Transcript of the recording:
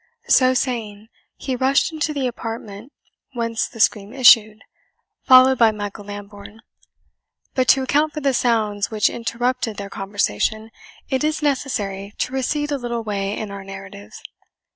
So saying, he rushed into the apartment whence the scream issued, followed by Michael Lambourne. But to account for the sounds which interrupted their conversation, it is necessary to recede a little way in our narrative.